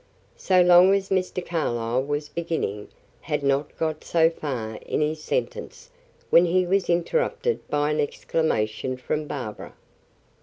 "So long as " Mr. Carlyle was beginning, and had not got so far in his sentence, when he was interrupted by an exclamation from Barbara.